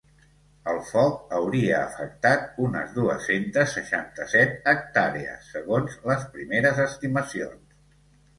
El foc hauria afectat unes dues-centes seixanta-set hectàrees, segons les primeres estimacions.